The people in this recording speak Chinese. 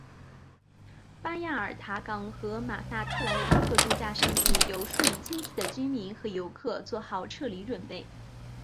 巴亚尔塔港和马萨特兰的多个度假胜地有数以千计的居民和游客做好撤离准备。